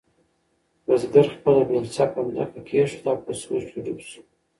بزګر خپله بیلچه په ځمکه کېښوده او په سوچ کې ډوب شو.